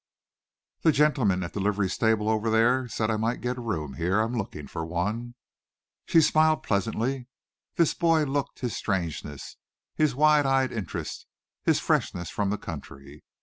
"The gentleman at the livery stable over there said I might get a room here. I'm looking for one." She smiled pleasantly. This boy looked his strangeness, his wide eyed interest, his freshness from the country.